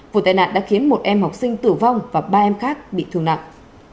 vụ tai nạn đã khiến một em học sinh tử vong và ba em khác bị thương nặng